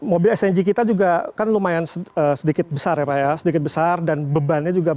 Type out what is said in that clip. mobil sng kita juga kan lumayan sedikit besar ya pak ya sedikit besar dan bebannya juga